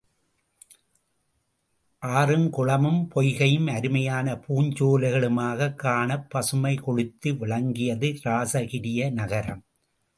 ஆறும் குளமும் பொய்கையும் அருமையான பூஞ்சோலைகளுமாகக் காணப் பசுமை கொழித்து விளங்கியது இராசகிரிய நகரம்.